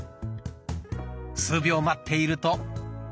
数秒待っていると。